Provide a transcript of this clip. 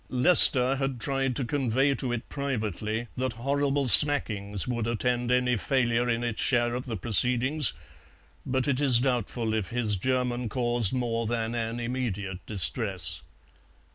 Lester had tried to convey to it privately that horrible smackings would attend any failure in its share of the proceedings, but it is doubtful if his German caused more than an immediate distress.